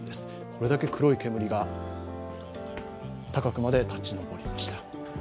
これだけ黒い煙が高くまで立ち上りました。